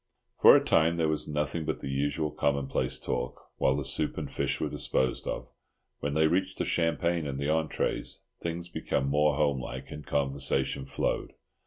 For a time there was nothing but the usual commonplace talk, while the soup and fish were disposed of; when they reached the champagne and the entrées, things become more homelike and conversation flowed.